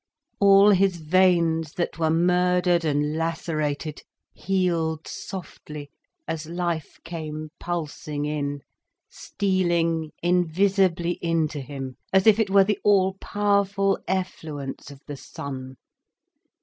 All his veins, that were murdered and lacerated, healed softly as life came pulsing in, stealing invisibly in to him as if it were the all powerful effluence of the sun.